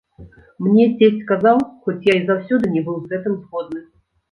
Мне цесць казаў, хоць я і заўсёды не быў з гэтым згодны.